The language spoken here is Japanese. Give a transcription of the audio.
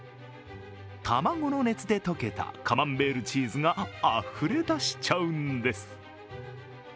卵の熱で溶けたカマンベールチーズがあふれ出しちゃうんです。